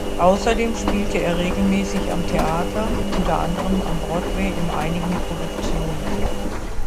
Außerdem spielte er regelmäßig am Theater, unter anderem am Broadway in einigen Produktionen.